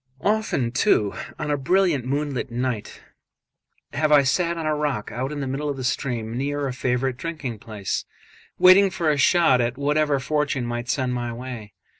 Often, too, on a brilliant moonlight night have I sat on a rock out in the middle of the stream, near a favourite drinking place, waiting for a shot at whatever fortune might send my way.